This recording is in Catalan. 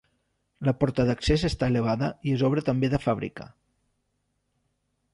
La porta d'accés està elevada i és obra també de fàbrica.